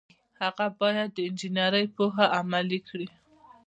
هغه باید د انجنیری پوهه عملي کړي.